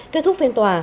kết thúc phiên tòa